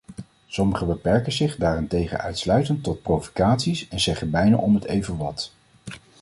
Sommigen beperken zich daarentegen uitsluitend tot provocaties en zeggen bijna om het even wat.